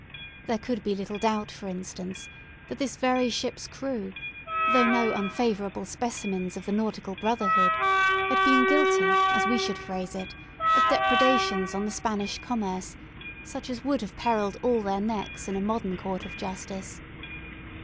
There could be little doubt, for instance, that this very ship's crew, though no unfavourable specimens of the nautical brotherhood, had been guilty, as we should phrase it, of depredations on the Spanish commerce, such as would have perilled all their necks in a modern court of justice.